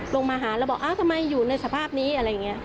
ลงมาหาแล้วบอกอ้าวทำไมอยู่ในสภาพนี้อะไรอย่างนี้